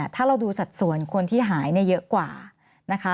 ถ้าเราดูสัดส่วนคนที่หายเยอะกว่านะคะ